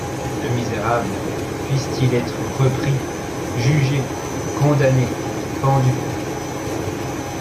Le misérable ! puisse-t-il être repris. .. jugé. .. condamné. .. pendu. ..